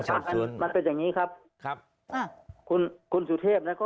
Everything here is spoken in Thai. ถามที่ตำรวจนั่นแหละ